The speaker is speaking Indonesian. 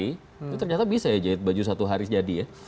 itu ternyata bisa ya jahit baju satu hari jadi ya